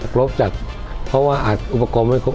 ครบจากเพราะว่าอัดอุปกรณ์ไม่ครบ